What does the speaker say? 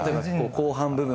後半部分？